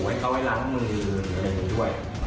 ให้เขาล้างมือด้วย